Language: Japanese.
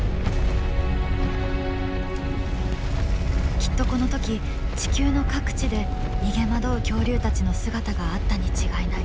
きっとこの時地球の各地で逃げ惑う恐竜たちの姿があったに違いない。